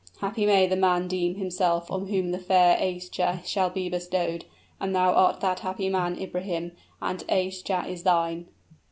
Happy may the man deem himself on whom the fair Aischa shall be bestowed; and thou art that happy man, Ibrahim and Aischa is thine."